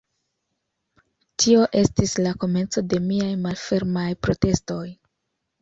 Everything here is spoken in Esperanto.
Tio estis la komenco de miaj malfermaj protestoj.